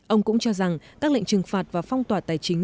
ông cũng cho rằng các lệnh trừng phạt và phong tỏa tài chính